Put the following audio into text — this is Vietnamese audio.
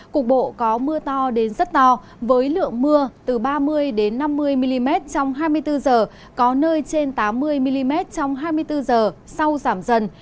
cục bộ có mưa to đến rất to với lượng mưa từ ba mươi năm mươi mm trong hai mươi bốn h có nơi trên tám mươi mm trong hai mươi bốn h sau giảm dần